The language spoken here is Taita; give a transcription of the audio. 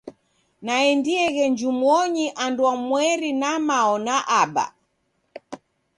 Naendieghe njumonyi andwamweri na mao na aba.